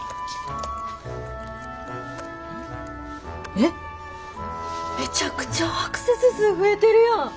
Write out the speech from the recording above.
えっめちゃくちゃアクセス数増えてるやん！